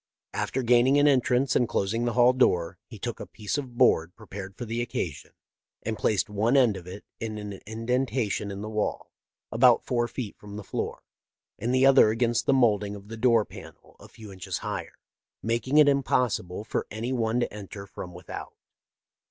After gaining an entrance and closing the hall door, he took a piece of board prepared for the occasion, and placed one end of it in an indentation in the wall, about four feet from the floor, and the other against the molding of the door panel a few inches higher, making it impossible for any one to enter fronS without.